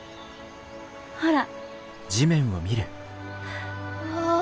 ほら。